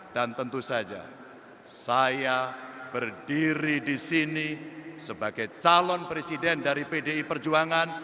dan tentu saja saya berdiri di sini sebagai calon presiden dari pdi perjuangan